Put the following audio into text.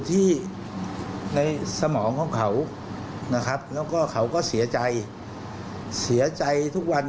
ที่ในสมองของเขานะครับแล้วก็เขาก็เสียใจเสียใจทุกวัน